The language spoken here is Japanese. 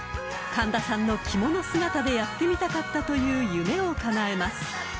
［神田さんの着物姿でやってみたかったという夢をかなえます］